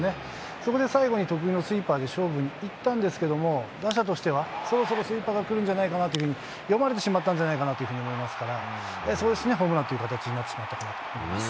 そこで最後に得意のスイーパーで勝負にいったんですけども、打者としては、そろそろスイーパーがくるんじゃないかなというふうに、読まれてしまったんじゃないかというふうに思いますから、それがホームランになってしまったかなと思います。